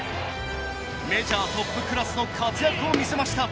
メジャートップクラスの活躍を見せました。